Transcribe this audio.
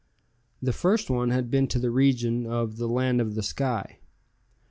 The first one had been to the region of the Land of the sky.